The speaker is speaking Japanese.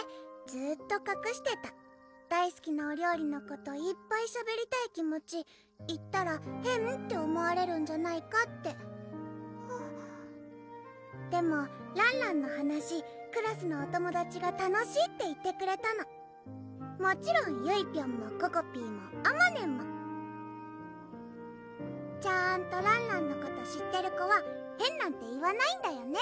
ずーっとかくしてた大すきなお料理のこといっぱいしゃべりたい気持ち言ったら変って思われるんじゃないかってでもらんらんの話クラスのお友達が楽しいって言ってくれたのもちろんゆいぴょんもここぴーもあまねんもちゃんとらんらんのこと知ってる子は変なんて言わないんだよね